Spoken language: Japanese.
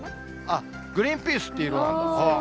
グリーンピースっていう色なんだ。